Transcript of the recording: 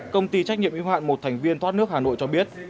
công ty trách nhiệm y hoạn một thành viên thoát nước hà nội cho biết